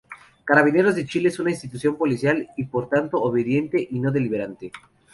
Carabineros de Chile es una institución policial, y por tanto obediente y no deliberante.